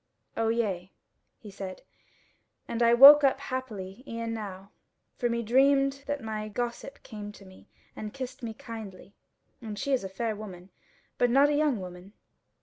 "O yea," he said, "and I woke up happily e'en now; for me dreamed that my gossip came to me and kissed me kindly; and she is a fair woman, but not a young woman."